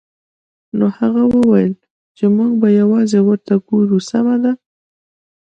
نو هغه وویل چې موږ به یوازې ورته وګورو سمه ده